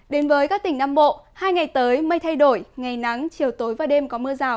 đến với các tỉnh nam bộ hai ngày tới mây thay đổi ngày nắng chiều tối và đêm có mưa rào